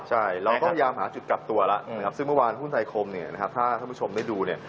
เราก็พยายามหาจุดกลับตัวละซึ่งเมื่อวานหุ้นไทคมเนี่ยถ้าท่านผู้ชมได้ดูเนี่ย